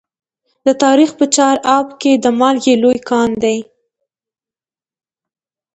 د تخار په چاه اب کې د مالګې لوی کان دی.